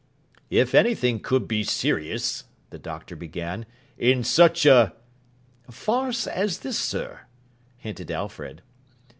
'If anything could be serious,' the Doctor began, 'in such a—' 'Farce as this, sir,' hinted Alfred.